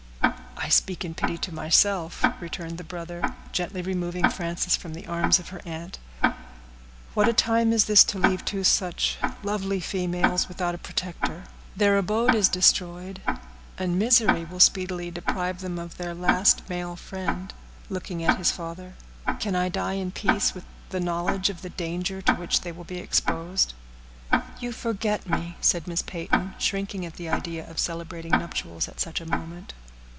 "I speak in pity to myself," returned the brother, gently removing Frances from the arms of her aunt. "What a time is this to leave two such lovely females without a protector! Their abode is destroyed, and misery will speedily deprive them of their last male friend," looking at his father; "can I die in peace with the knowledge of the danger to which they will be exposed?" "You forget me," said Miss Peyton, shrinking at the idea of celebrating nuptials at such a moment.